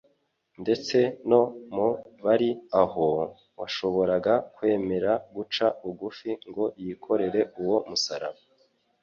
ndetse no mu bari aho, washoboraga kwemera guca bugufi ngo yikorere uwo musaraba.